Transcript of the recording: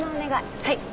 はい！